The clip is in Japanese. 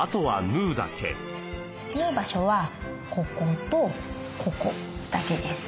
縫う場所はこことここだけです。